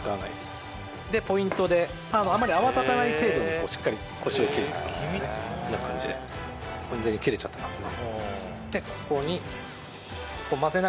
ポイントであんまり泡立たない程度にしっかりコシを切るとこんな感じで完全に切れちゃってますね